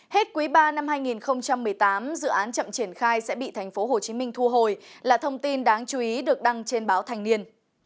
hết quý ba năm hai nghìn một mươi tám dự án chậm triển khai sẽ bị tp hcm thu hồi là thông tin đáng chú ý được đăng trên báo thành niên